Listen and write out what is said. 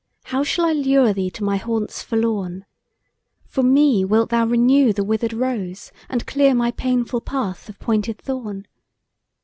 How shall I lure thee to my haunts forlorn? For me wilt thou renew the wither'd rose, And clear my painful path of pointed thorn?